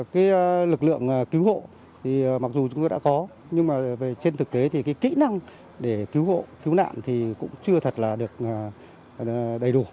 cái lực lượng cứu hộ thì mặc dù chúng tôi đã có nhưng mà trên thực tế thì cái kỹ năng để cứu hộ cứu nạn thì cũng chưa thật là được đầy đủ